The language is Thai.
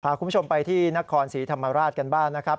คุณผู้ชมไปที่นครศรีธรรมราชกันบ้างนะครับ